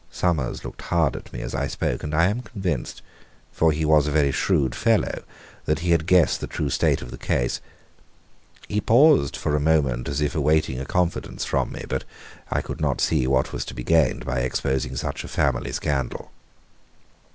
Summers looked hard at me as I spoke, and I am convinced for he was a very shrewd fellow that he had guessed the true state of the case. He paused for a moment as if awaiting a confidence from me, but I could not see what was to be gained by exposing such a family scandal.